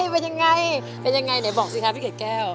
เป็นยังไงไหนบอกสิคะคุณเกดแก้ว